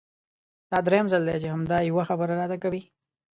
دا درېيم ځل دی چې همدا يوه خبره راته کوې!